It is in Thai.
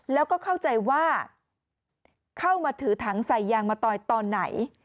แล้วก็เข้าใจว่าเข้ามาถือถังใส่ยางมะตอยตอนไหน